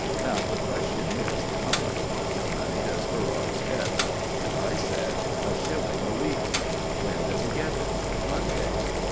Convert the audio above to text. Now the question is, How much pocket money does Ferrars get?" And I said: "A shilling a week." "When does he get it?" "Mondays."